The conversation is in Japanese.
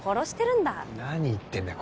何言ってんだよ。